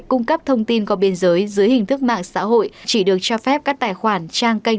cung cấp thông tin qua biên giới dưới hình thức mạng xã hội chỉ được cho phép các tài khoản trang kênh